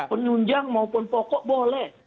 untuk undang undang maupun pokok boleh